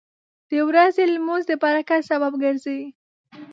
• د ورځې لمونځ د برکت سبب ګرځي.